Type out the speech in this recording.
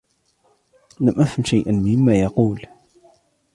لم أفهم شيئا مما يقول